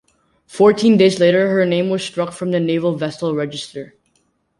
Fourteen days later, her name was struck from the Naval Vessel Register.